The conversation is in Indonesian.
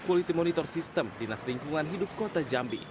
quality monitor sistem dinas lingkungan hidup kota jambi